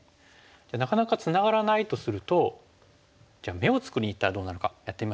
なかなかツナがらないとするとじゃあ眼を作りにいったらどうなるかやってみましょう。